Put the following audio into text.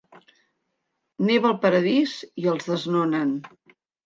Neva al paradís i els desnonen.